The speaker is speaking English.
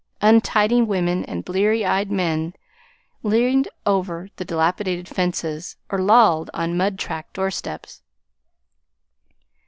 Untidy women and blear eyed men leaned over the dilapidated fences, or lolled on mud tracked doorsteps.